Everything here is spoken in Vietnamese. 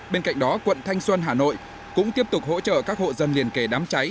bên cạnh đó quận thanh xuân hà nội cũng tiếp tục hỗ trợ các hộ dân liên kề đám cháy